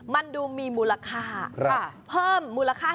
๑๓๕๐บาทจนถึง๑๕๐๐บาท